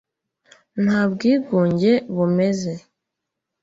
Nta bwigunge bumeze